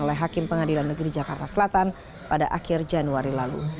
oleh hakim pengadilan negeri jakarta selatan pada akhir januari lalu